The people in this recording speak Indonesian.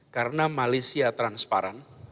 karena malaysia transparan